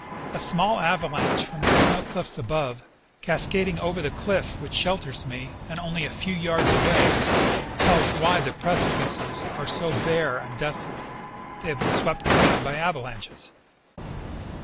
A small ava lanche from the snow cliffs above, cascading over the cliff which shelters me and only a few yards away, tells why the precipices are so bare and desolate : they have been swept clean by ava lanches.